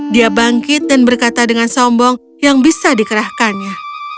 dia bangkit dan berkata dengan sombong yang bisa dikerahkannya